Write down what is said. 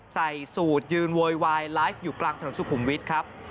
ใส่สูตรยืนโวยวายไลฟ์อยู่กลางถนนสุขุมวิทย์ครับ